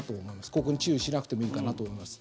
ここに注意しなくてもいいかなと思います。